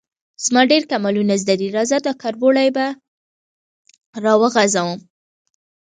_زما ډېر کمالونه زده دي، راځه، دا کربوړی به راوغږوم.